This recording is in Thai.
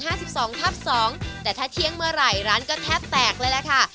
ขนาด๕๒ทับ๒แต่ถ้าเทียงเมื่อไหร่ร้านก็แทบแตกเลยละค่ะ